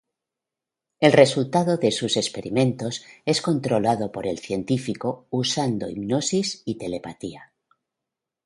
El resultado de sus experimentos es controlado por el científico usando hipnosis y telepatía.